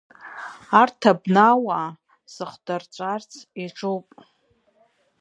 Арҭ абнауаа сыхдырҵәарц иаҿуп.